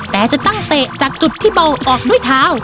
แต่จะตั้งเตะจากจุดที่เบาออกด้วยเท้า